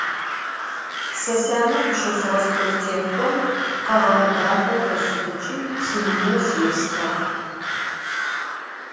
Se syane khışefığe stoltêxhom kheğeğe daxe xesıdıç'i, sinenezj yêstığ.